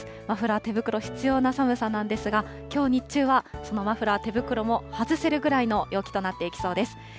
マフラー、手袋、必要な寒さなんですが、きょう日中は、そのマフラー、手袋も外せるぐらいの陽気となっていきそうです。